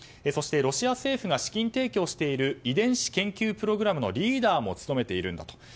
そしてロシア政府が資金提供している遺伝子研究プログラムのリーダーも務めているんだと。